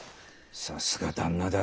さすが旦那だ。